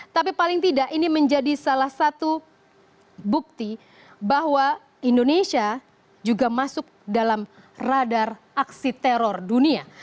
tapi paling tidak ini menjadi salah satu bukti bahwa indonesia juga masuk dalam radar aksi teror dunia